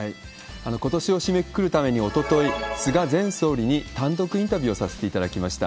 ことしを締めくくるために、おととい、菅前総理に単独インタビューをさせていただきました。